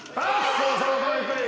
そうそうゆっくり。